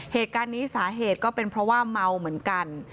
เหตุการณ์นี้สาเหตุก็เป็นเพราะว่าเมาเหมือนกัน